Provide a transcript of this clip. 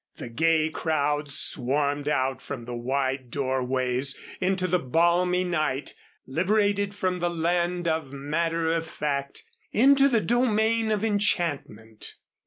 The gay crowds swarmed out from the wide doorways, into the balmy night, liberated from the land of matter of fact into a domain of enchantment.